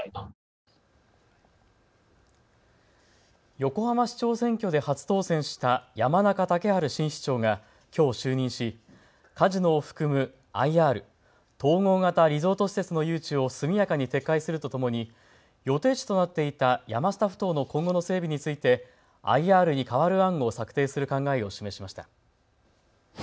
横浜市長選挙で初当選した山中竹春新市長が、きょう就任しカジノを含むＩＲ・統合型リゾート施設の誘致を速やかに撤回するとともに予定地となっていた山下ふ頭の今後の整備についてＩＲに代わる案を策定する考えを示しました。